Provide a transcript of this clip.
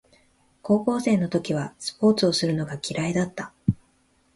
高校生の時はスポーツをするのが嫌いだった